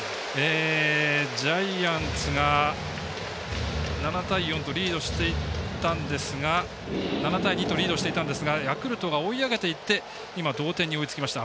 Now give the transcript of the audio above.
ジャイアンツが７対２とリードしていたんですがヤクルトが追い上げていって同点に追いつきました。